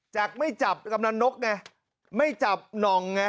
จากไม่จับกำลังนกไงไม่จับหน่องไง